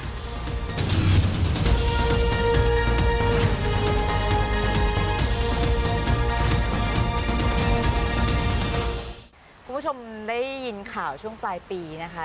คุณผู้ชมได้ยินข่าวช่วงปลายปีนะคะ